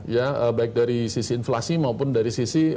ya baik dari sisi inflasi maupun dari sisi